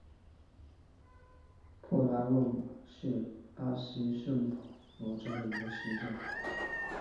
帕诺拉马是巴西圣保罗州的一个市镇。